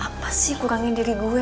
apa sih kurangin diri gue